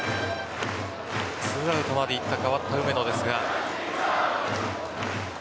２アウトまでいった代わった梅野ですが。